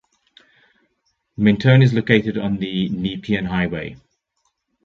Mentone is located on the Nepean Highway.